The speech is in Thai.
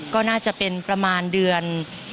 ก็น่าจะเป็นประมาณเดือน